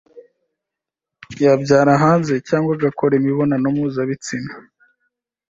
yabyara hanze cyangwa agakora imibonano mpuzabitsina